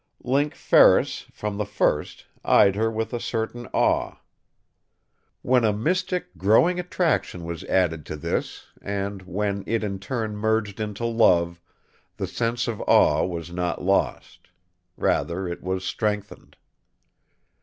Link Ferris, from the first, eyed her with a certain awe. When a mystic growing attraction was added to this and when it in turn merged into love, the sense of awe was not lost. Rather it was strengthened.